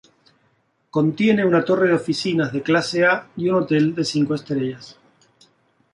Contiene una torre de oficinas de clase A y un hotel de cinco estrellas.